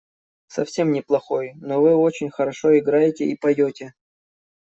Совсем не плохой, но вы очень хорошо играете и поете.